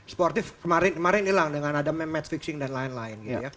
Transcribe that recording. sportif kemarin hilang dengan ada match fixing dan lain lain gitu ya